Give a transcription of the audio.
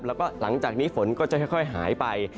แล้วก็หลังจากนี้ฝนก็จะค่อยหายไป